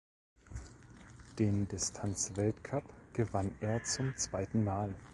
Den Distanzweltcup gewann er zum zweiten Mal.